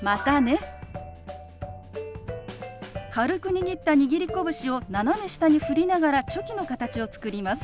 軽く握った握り拳を斜め下に振りながらチョキの形を作ります。